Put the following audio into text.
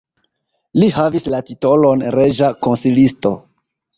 Li havis la titolon reĝa konsilisto.